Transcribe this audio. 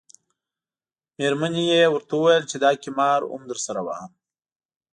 میرمنې یې ورته وویل چې دا قمار هم درسره وهم.